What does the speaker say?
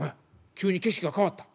急に景色が変わった。